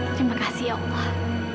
terima kasih ya allah